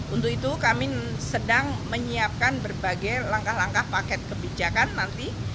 untuk itu kami sedang menyiapkan berbagai langkah langkah paket kebijakan nanti